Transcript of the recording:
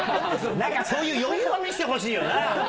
そういう余裕を見せてほしいよな。